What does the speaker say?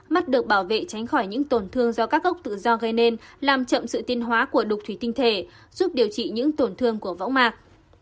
mắt được bảo vệ tránh khỏi những tổn thương do các gốc tự do gây nên làm chậm sự tin hóa của đục thủy tinh thể giúp điều trị những tổn thương của võng mạc